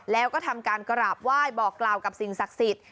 แล้วก็ทำการกราบไหว้บอกกล่าวกับสิ่งศักดิ์สิทธิ์